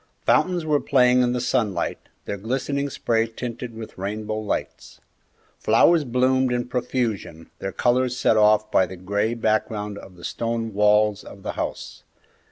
Fountains were playing in the sunlight, their glistening spray tinted with rainbow lights. Flowers bloomed in profusion, their colors set off by the gray background of the stone walls of the house.